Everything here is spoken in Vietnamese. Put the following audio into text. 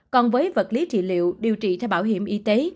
còn với vật lý trị liệu điều trị theo bảo hiểm y tế